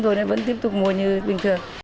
người dân yên tâm mua nước mắm trở lại